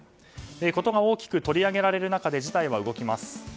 ことが大きく取り上げられる中で事態は動きます。